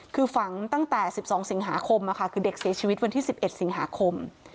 คือฝังตั้งแต่๑๒สิงหาคมคือเด็กเสียชีวิตวันที่๑๑สิงหาคม